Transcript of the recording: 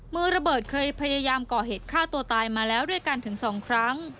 มือระเบิดเคยพยายามก่อเหตุฆ่าตัวตายมาแล้วด้วยกันถึง๒ครั้ง